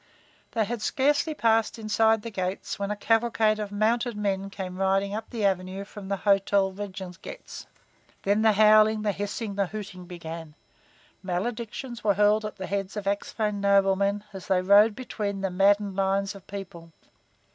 They had scarcely passed inside the gates when a cavalcade of mounted men came riding up the avenue from the Hotel Regengetz. Then the howling, the hissing, the hooting began. Maledictions were hurled at the heads of Axphain noblemen as they rode between the maddened lines of people.